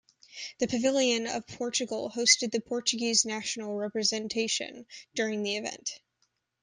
The pavilion of Portugal hosted the Portuguese national representation during the event.